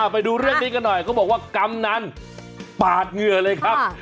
ไปดูเรื่องนี้กันหน่อยเขาบอกว่ากำนันปาดเหงื่อเลยครับ